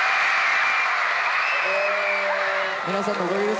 皆さんのおかげです。